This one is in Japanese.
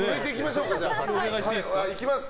いきます。